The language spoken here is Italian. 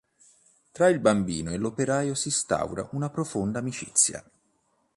Tra il bambino e l’operaio s’istaura una profonda amicizia.